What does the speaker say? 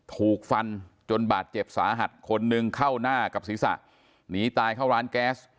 ถูกฟันจนบาดเจ็บสาหัสคนนึงเข้าหน้ากับศีรษะหนีตายเข้าร้านแก๊ส